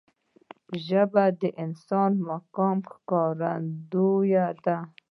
ژبه د انسان د مقام ښکارندوی ده